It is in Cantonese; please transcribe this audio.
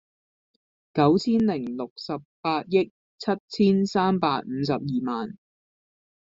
九千零六十八億七千三百五十二萬